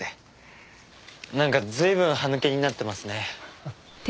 なんか随分歯抜けになってますね。